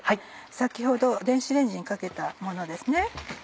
先ほど電子レンジにかけたものです。